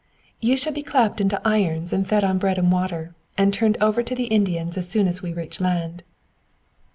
"You shall be clapped into irons and fed on bread and water, and turned over to the Indians as soon as we reach land."